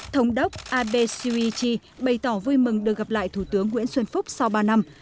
thống đốc abe syrichi bày tỏ vui mừng được gặp lại thủ tướng nguyễn xuân phúc sau ba năm